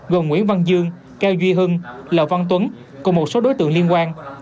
gồm nguyễn văn dương cao duy hưng lò văn tuấn cùng một số đối tượng liên quan